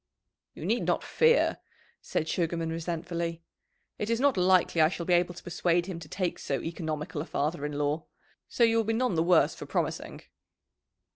"You need not fear," said Sugarman resentfully. "It is not likely I shall be able to persuade him to take so economical a father in law. So you will be none the worse for promising."